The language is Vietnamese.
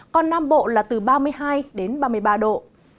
còn nam bộ là từ ba mươi hai đến ba mươi ba độ